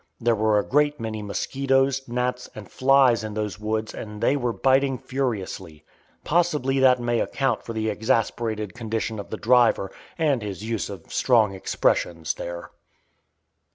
There were a great many mosquitoes, gnats, and flies in those woods, and they were biting furiously. Possibly that may account for the exasperated condition of the driver and his use of strong expressions there.